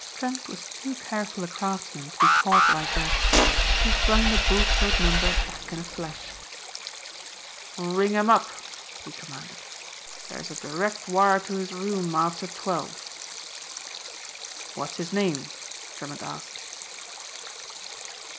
Trent was too careful a craftsman to be caught like that. He flung the Bulstrode number back in a flash. "Ring him up," he commanded, "there's a direct wire to his room after twelve." "What's his name?" Drummond asked.